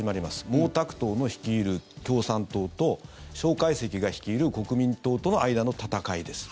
毛沢東の率いる共産党と蒋介石が率いる国民党との間の戦いです。